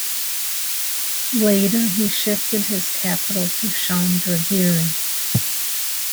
Later he shifted his capital to Chandragiri.